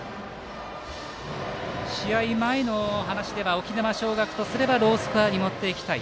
試合前の話では沖縄尚学とすればロースコアに持っていきたい。